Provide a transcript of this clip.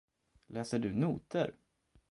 Läser du noter?